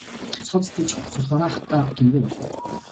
Судас тэлж цус хураахдаа гэмгүй болно.